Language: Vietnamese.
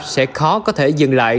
sẽ khó có thể dừng lại